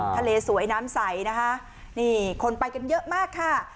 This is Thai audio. ทะเลสวยน้ำใสนะคะนี่คนไปกันเยอะมากค่ะ